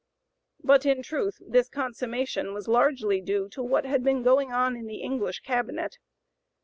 But, in truth, this consummation was largely due to what had been going on in the English Cabinet.